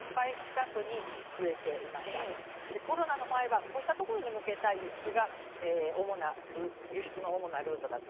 コロナの前はこうしたところに向けた輸出が輸出の主なルートだったんですね。